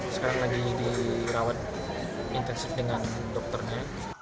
sekarang lagi dirawat intensif dengan dokternya